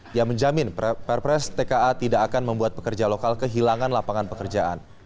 dia menjamin perpres tka tidak akan membuat pekerja lokal kehilangan lapangan pekerjaan